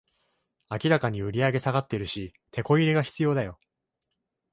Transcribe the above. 明らかに売上下がってるし、テコ入れが必要だよ